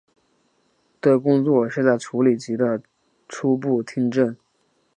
的工作是在处理及的初步听证。